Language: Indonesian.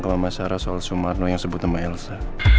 ke mama sarah soal sumarno yang sebut sama elsa